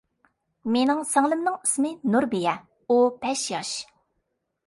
مېنىڭ سىڭلىمنىڭ ئىسمى نۇربىيە، ئۇ بەش ياش.